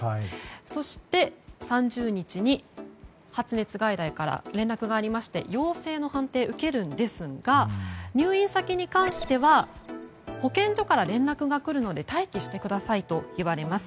そして、３０日に発熱外来から連絡がありまして陽性の判定を受けるんですが入院先に関しては保健所から連絡が来るので待機してくださいと言われます。